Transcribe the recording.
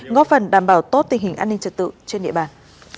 góp phần đảm bảo tốt tình hình an ninh trật tự trên địa bàn